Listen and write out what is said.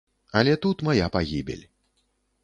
Але тут мая пагібель.